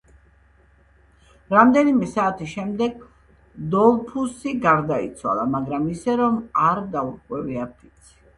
რამდენიმე საათის შემდეგ დოლფუსი გარდაიცვალა, მაგრამ ისე, რომ არ დაურღვევია ფიცი.